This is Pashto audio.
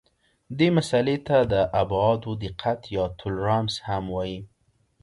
دې مسئلې ته د ابعادو دقت یا تولرانس هم وایي.